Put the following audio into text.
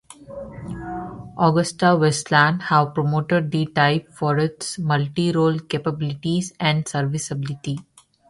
AgustaWestland have promoted the type for its multirole capabilities and serviceability.